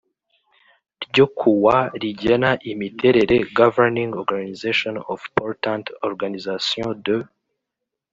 ryo kuwa rigena imiterere governing organisation of portant organisation de